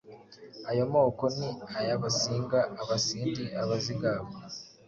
Ayo moko ni aya: Abasinga, Abasindi, Abazigaba